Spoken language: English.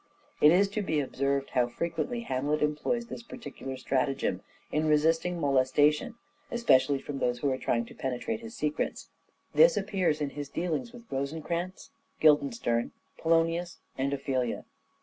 It is to be observed how frequently Hamlet employs Resistance this particular stratagem in resisting molestation, interference especially from those who are trying to penetrate his secrets. This appears in his dealings with Rosencrantz, Guildenstern, Polonius and Ophelia.